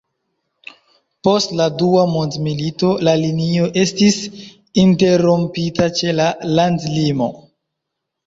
Post la Dua Mondmilito la linio estis interrompita ĉe la landlimo.